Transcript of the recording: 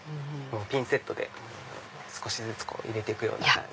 ピンセットで少しずつ入れていくような感じ。